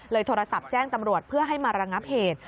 โทรศัพท์แจ้งตำรวจเพื่อให้มาระงับเหตุ